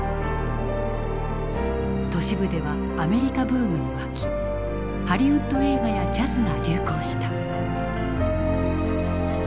都市部ではアメリカブームに沸きハリウッド映画やジャズが流行した。